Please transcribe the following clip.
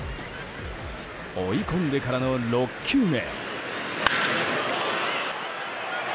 追い込んでからの６球目。